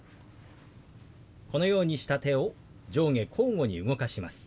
このようにした手を上下交互に動かします。